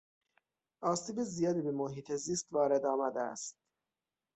آسیب زیادی به محیط زیست وارد آمده است.